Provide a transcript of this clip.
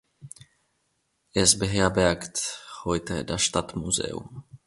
Es beherbergt heute das Stadtmuseum.